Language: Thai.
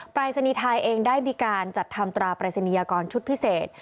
ปรายศนีย์ไทยเองได้มีการจัดทำตราปรายศนียากรชุดพิเศษ